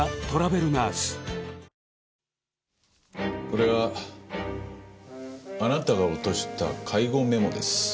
これはあなたが落とした介護メモです。